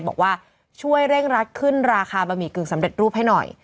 บอกว่าช่วยเร่งรัดขึ้นราคาบะหมี่กึ่งสำเร็จรูปให้หน่อย